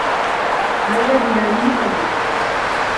هيا بنا لنسكر.